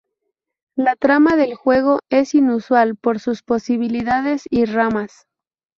La trama del juego es inusual por sus posibilidades y ramas.